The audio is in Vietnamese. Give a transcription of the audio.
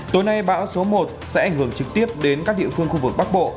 tối nay bão số một sẽ ảnh hưởng trực tiếp đến các địa phương khu vực bắc bộ